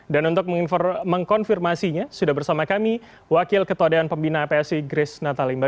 dan untuk mengkonfirmasinya sudah bersama kami wakil ketua daan pembina psi gris natalimba